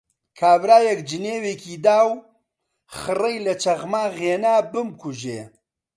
کابرایەک جنێوێکی دا و خڕەی لە چەخماخ هێنا بمکوژێ